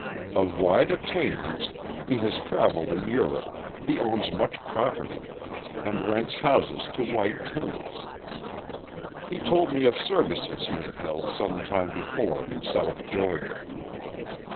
Of wide attainments, he has travelled in Europe, he owns much property, and rents houses to white tenants. He told me of services he had held some time before in south Georgia.